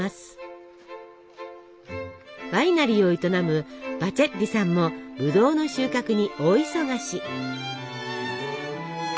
ワイナリーを営むバチェッリさんもブドウの収穫に大忙し。